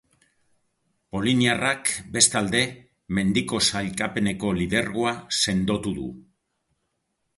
Poliniarrak, bestalde, mendiko sailkapeneko lidergoa sendotu du.